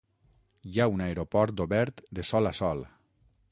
Hi ha un aeroport obert de sol a sol.